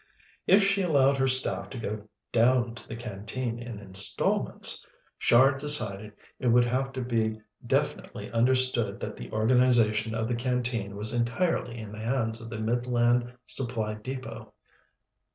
If she allowed her staff to go down to the Canteen in instalments, Char decided it would have to be definitely understood that the organization of the Canteen was entirely in the hands of the Midland Supply Depôt.